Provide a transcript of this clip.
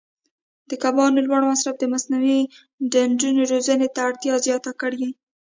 د کبانو لوړ مصرف د مصنوعي ډنډونو روزنې ته اړتیا زیاته کړې.